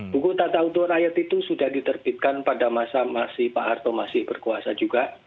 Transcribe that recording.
buku tata utuh rakyat itu sudah diterbitkan pada masa pak harto masih berkuasa juga